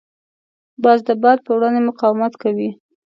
باز د باد په وړاندې مقاومت کوي